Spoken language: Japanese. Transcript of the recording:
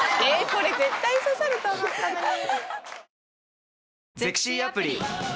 これ絶対刺さると思ったのに。